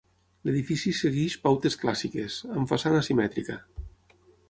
L'edifici segueix pautes clàssiques, amb façana simètrica.